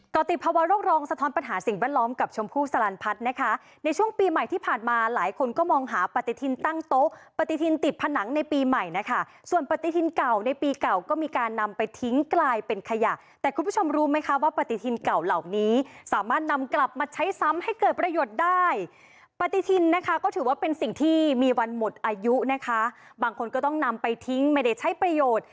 ก่อติดภาวะโรครองสะท้อนปัญหาสิ่งแวดล้อมกับชมพูสลันพัฒน์นะคะในช่วงปีใหม่ที่ผ่านมาหลายคนก็มองหาปฏิทินตั้งโต๊ะปฏิทินติดผนังในปีใหม่นะคะส่วนปฏิทินเก่าในปีเก่าก็มีการนำไปทิ้งกลายเป็นขยะแต่คุณผู้ชมรู้ไหมคะว่าปฏิทินเก่าเหล่านี้สามารถนำกลับมาใช้ซ้ำให้เกิดประโยช